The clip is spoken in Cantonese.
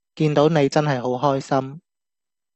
見到你真係好開心